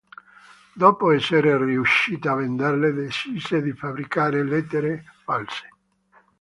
Dopo essere riuscita a venderle, decise di fabbricare lettere false.